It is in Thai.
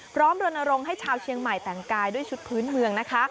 รณรงค์ให้ชาวเชียงใหม่แต่งกายด้วยชุดพื้นเมืองนะคะ